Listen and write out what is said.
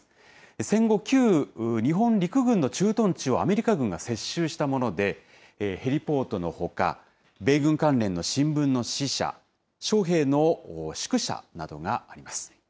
戦後、旧日本陸軍の駐屯地をアメリカ軍が接収したもので、ヘリポートのほか、米軍関連の新聞の支社、将兵の宿舎などがあります。